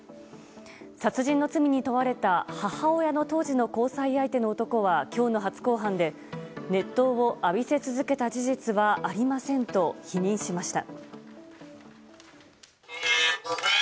殺人の罪に問われた母親の当時の交際相手の男は今日の初公判で熱湯を浴びせ続けた事実はありませんと否認しました。